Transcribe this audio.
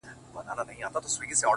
• یوه ځوان وو په خپل کور کي سپی ساتلی ,